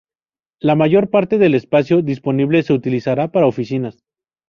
La mayor parte del espacio disponible se utilizará para oficinas.